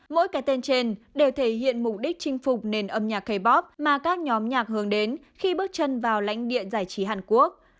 mỗi cái tên trên đều thể hiện mục đích chinh phục nền âm nhạc kb mà các nhóm nhạc hướng đến khi bước chân vào lãnh địa giải trí hàn quốc